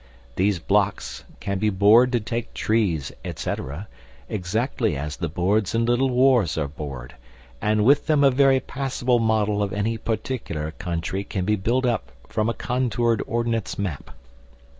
These blocks can be bored to take trees, etc., exactly as the boards in Little Wars are bored, and with them a very passable model of any particular country can be built up from a contoured Ordnance map.